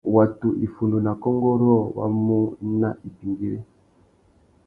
Watu iffundu nà kônkô rôō wá mú nà ipîmbîri.